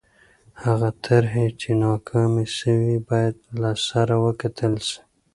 هغه طرحې چې ناکامې سوې باید له سره وکتل سي.